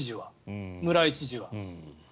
村井知事は。